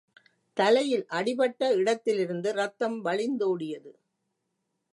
தலையில் அடிபட்ட இடத்திலிருந்து ரத்தம் வழிந்தோடியது.